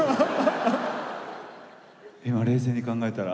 今冷静に考えたら。